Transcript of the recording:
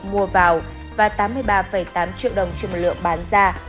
mua vào và tám mươi ba tám triệu đồng trên một lượng bán ra